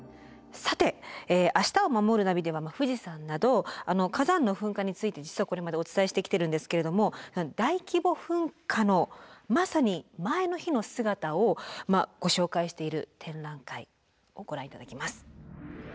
さて「明日をまもるナビ」では富士山など火山の噴火について実はこれまでお伝えしてきてるんですけれども大規模噴火のまさに前の日の姿をご紹介している展覧会をご覧頂きます。